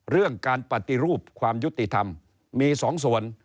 เรื่องการปฏิรูปความยุติธรรมมี๒ส่วน